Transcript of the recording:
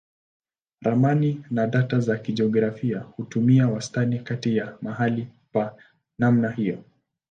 Ramani na data za kijiografia hutumia wastani kati ya mahali pa namna hiyo.